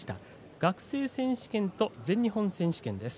学生選手権と全日本選手権です。